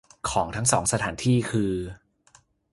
ของทั้งสองสถานที่คือ